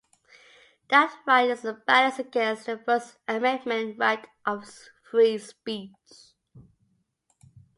That right is balanced against the First Amendment right of free speech.